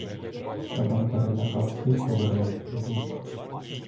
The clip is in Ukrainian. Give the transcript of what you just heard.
Кабан перелякався й повернув у ліс.